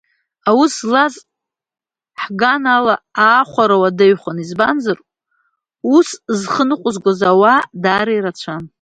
Аус злаз ҳган ала аахәара уадаҩхон, избанзар ус зхы ныҟәызгоз ауаа даара ирацәан.